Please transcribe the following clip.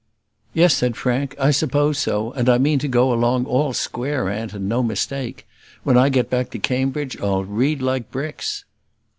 "Yes," said Frank; "I suppose so; and I mean to go along all square, aunt, and no mistake. When I get back to Cambridge, I'll read like bricks."